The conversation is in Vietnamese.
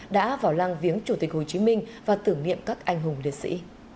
đã vào lăng viếng chủ tịch hồ chí minh và tưởng niệm các anh hùng liệt sĩ